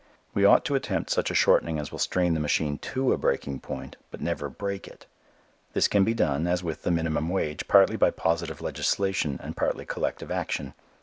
We ought to attempt such a shortening as will strain the machine to a breaking point, but never break it. This can be done, as with the minimum wage, partly by positive legislation and partly collective action.